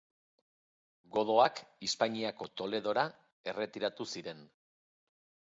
Godoak Hispaniako Toledora erretiratu ziren.